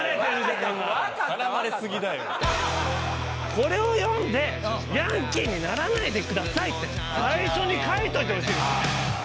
「これを読んでヤンキーにならないで下さい」って最初に書いといてほしいです。